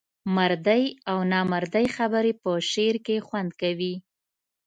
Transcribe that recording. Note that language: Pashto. مردۍ او نامردۍ خبري په شعر کې خوند کوي.